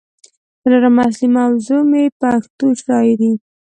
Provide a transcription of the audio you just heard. څلورمه اصلي موضوع مې پښتو شاعرۍ